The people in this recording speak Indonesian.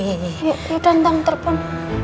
yaudah entar telepon